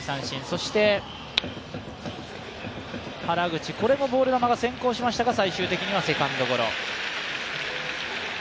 そして原口、これもボール球が先行しましたが最終的にはセカンドゴロ。